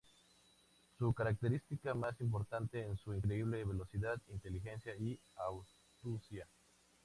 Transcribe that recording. Su característica más importante es su increíble velocidad, inteligencia y astucia.